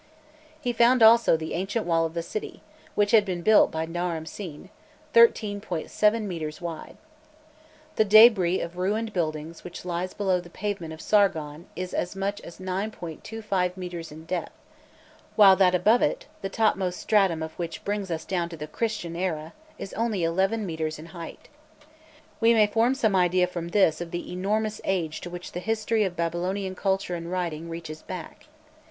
He found also the ancient wall of the city, which had been built by Naram Sin, 13.7 metres wide. The débris of ruined buildings which lies below the pavement of Sargon is as much as 9.25 metres in depth, while that above it, the topmost stratum of which brings us down to the Christian era, is only 11 metres in height. We may form some idea from this of the enormous age to which the history of Babylonian culture and writing reaches back.